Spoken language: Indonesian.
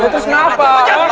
lu terus kenapa